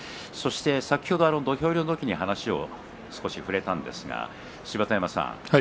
先ほど土俵入りの時に話少し触れましたが芝田山さん